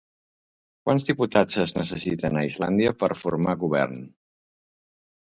Quants diputats es necessiten a Islàndia per a formar govern?